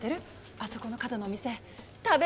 あそこの角の店食べ